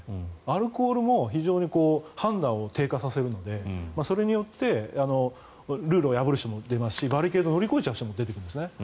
アルコールも判断を低下させるのでそれによってルールを破る人もいますしバリケードを乗り越えちゃう人も出てくるんですね。